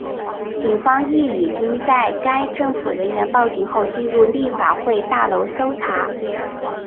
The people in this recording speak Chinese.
警方亦已经在该政府人员报警后进入立法会大楼搜查。